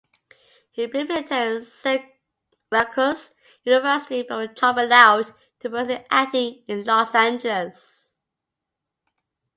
He briefly attended Syracuse University before dropping out to pursue acting in Los Angeles.